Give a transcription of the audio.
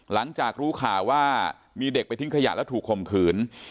หลังจากรู้ข่าวว่ามีเด็กไปทิ้งขยะแล้วถูกข่มขืน